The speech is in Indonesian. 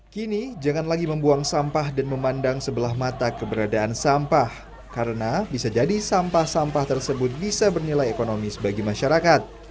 kini jangan lagi membuang sampah dan memandang sebelah mata keberadaan sampah karena bisa jadi sampah sampah tersebut bisa bernilai ekonomis bagi masyarakat